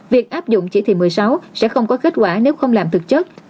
việc áp dụng chỉ thị một mươi sáu sẽ không có kết quả nếu không làm thực chất